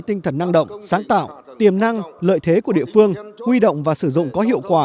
tinh thần năng động sáng tạo tiềm năng lợi thế của địa phương huy động và sử dụng có hiệu quả